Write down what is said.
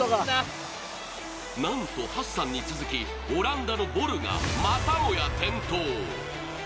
なんとハッサンに続きオランダのボルがまたもや転倒。